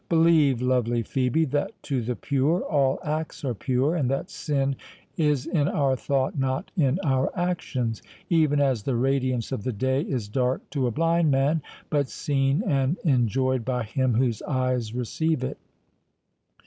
Believe, lovely Phœbe, that to the pure all acts are pure, and that sin is in our thought, not in our actions—even as the radiance of the day is dark to a blind man, but seen and enjoyed by him whose eyes receive it.